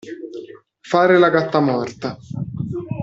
Fare la gattamorta.